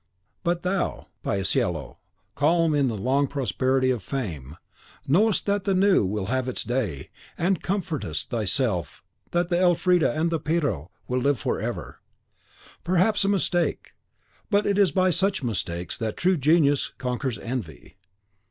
But thou, Paisiello, calm in the long prosperity of fame, knowest that the New will have its day, and comfortest thyself that the Elfrida and the Pirro will live forever. Perhaps a mistake, but it is by such mistakes that true genius conquers envy.